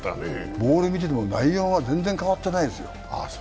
ボール見てても内容は全然変わってないですよ。